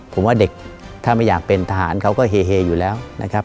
ผมว่าเด็กถ้าไม่อยากเป็นทหารเขาก็เฮอยู่แล้วนะครับ